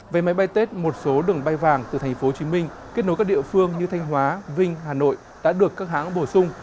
về máy bay tết một số đường bay vàng từ tp hcm kết nối các địa phương như thanh hóa vinh hà nội đã được các hãng bổ sung